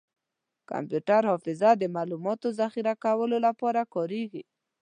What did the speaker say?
کمپیوټر حافظه د معلوماتو ذخیره کولو لپاره کارېږي.